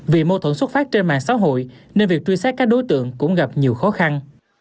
vì mâu thuẫn xuất phát trên mạng xã hội nên việc truy xét các đối tượng cũng gặp nhiều khó khăn